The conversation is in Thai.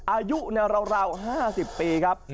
อายุราวห้าสิบปีครับ